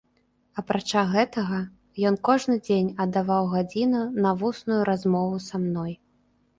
Апрача гэтага, ён кожны дзень аддаваў гадзіну на вусную размову са мною.